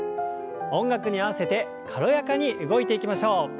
音楽に合わせて軽やかに動いていきましょう。